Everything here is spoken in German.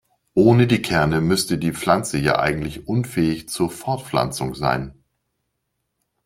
Ohne die Kerne müsste die Pflanze ja eigentlich unfähig zur Fortpflanzung sein.